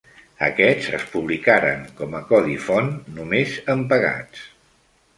Aquests es publicaren com a codi font només en pegats.